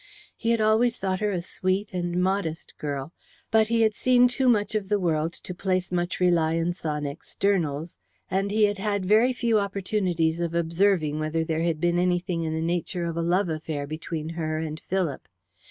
He had always thought her a sweet and modest girl, but he had seen too much of the world to place much reliance on externals, and he had had very few opportunities of observing whether there had been anything in the nature of a love affair between her and Philip.